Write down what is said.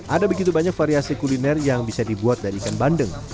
ada begitu banyak variasi kuliner yang bisa dibuat dari ikan bandeng